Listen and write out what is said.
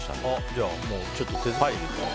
じゃあ、ちょっと手づかみで。